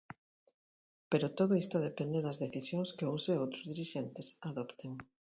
Pero todo isto depende das decisión que uns e outros dirixentes adopten.